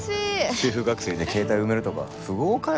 中学生で携帯埋めるとか富豪かよ？